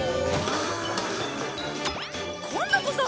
今度こそ！